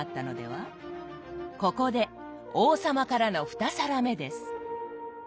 ここで王様からの２皿目です。